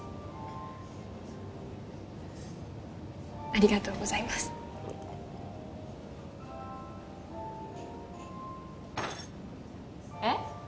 ありがとうございますえっ？